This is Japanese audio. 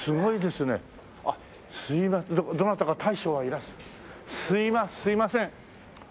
すいません。